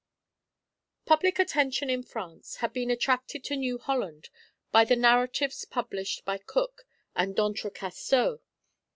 Public attention in France had been attracted to New Holland by the narratives published by Cook and D'Entrecasteaux.